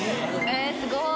えっすごい。